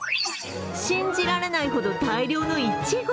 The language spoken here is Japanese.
信じられないほど大量のいちご。